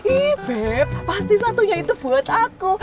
ihh beb pasti satunya itu buat aku